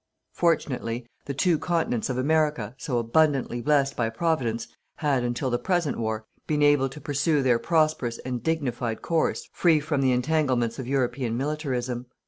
Fortunately, the two continents of America, so abundantly blessed by Providence, had, until the present war, been able to pursue their prosperous and dignified course free from the entanglements of European Militarism.